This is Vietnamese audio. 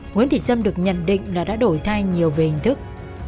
nguyễn thị sâm được nhận định là đã đổi thay nhiều về hình thức